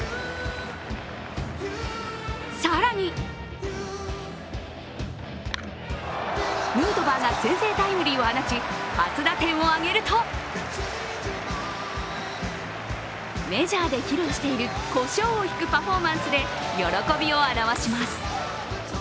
更にヌートバーが先制タイムリーを放ち初打点を挙げるとメジャーで披露しているこしょうをひくパフォーマンスで喜びを表します。